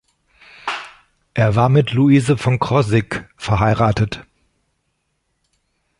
Er war mit "Luise von Krosigk" verheiratet.